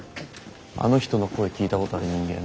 あの人の声聞いたことある人間